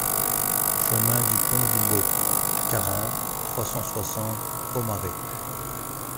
Chemin du Pont du Bos, quarante, trois cent soixante Pomarez